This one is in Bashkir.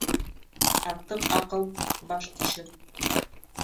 Артыҡ аҡыл баш тишер.